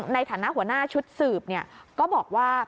ในฐานะหัวหน้าชุดสืบก็บอกว่า